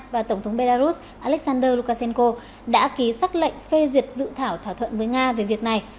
và tổng thống belarus alexander lukashenko đã ký xác lệnh phê duyệt dự thảo thỏa thuận với nga về việc này